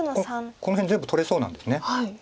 この辺全部取れそうなんです。